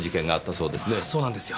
そうなんですよ。